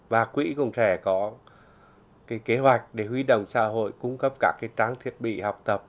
và quỹ cũng sẽ có kế hoạch để huy động xã hội cung cấp các trang thiết bị học tập